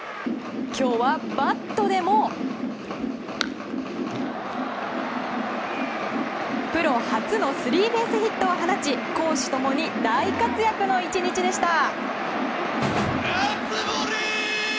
今日はバットでもプロ初のスリーベースヒットを放ち攻守ともに大活躍の１日でした。